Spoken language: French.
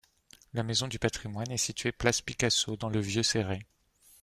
La Maison du patrimoine est située place Picasso, dans le vieux Céret.